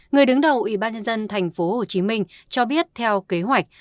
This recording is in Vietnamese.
người đứng đầu ubnd tp hcm cho biết theo kế hoạch